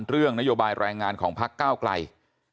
เรื่องนโยบายแรงงานของพักก้าวไกล